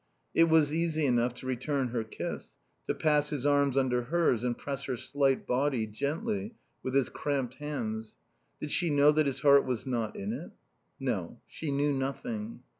It was easy enough to return her kiss, to pass his arms under hers and press her slight body, gently, with his cramped hands. Did she know that his heart was not in it? No. She knew nothing.